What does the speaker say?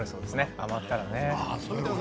余ったら。